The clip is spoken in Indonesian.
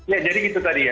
ya jadi itu tadi ya